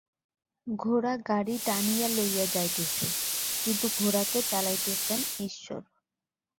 ঘোড়া গাড়ী টানিয়া লইয়া যাইতেছে, কিন্তু ঘোড়াকে চালাইতেছেন ঈশ্বর।